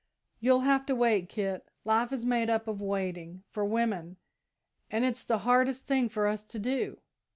"You'll have to wait, Kit. Life is made up of waiting, for women, and it's the hardest thing for us to do.